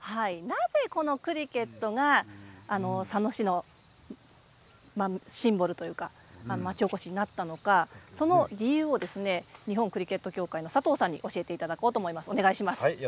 さて、このクリケット場佐野市のシンボルとなったのがその理由を日本クリケット協会の佐藤さんに教えていただこうと思います。